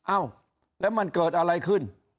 เอ้าแล้วมันเกิดอะไรขึ้น